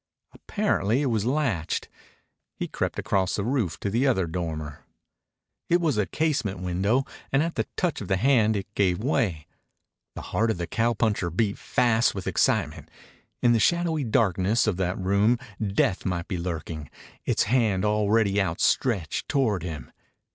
Apparently it was latched. He crept across the roof to the other dormer. It was a casement window, and at the touch of the hand it gave way. The heart of the cowpuncher beat fast with excitement. In the shadowy darkness of that room death might be lurking, its hand already outstretched toward him.